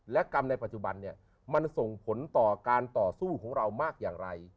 และกรรมในปัจจุบันเนี่ยมันส่งผลต่อการต่อสู้ของเรามากอย่างไร